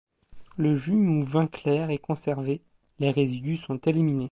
Le jus ou vin clair est conservé, les résidus sont éliminés.